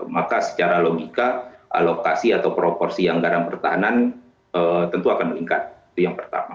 maka secara logika alokasi atau proporsi anggaran pertahanan tentu akan meningkat itu yang pertama